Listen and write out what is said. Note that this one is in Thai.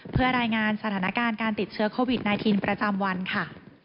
เพื่อรายงานสถานการณ์การติดเชื้อโควิด๑๙ประจำวันค่ะ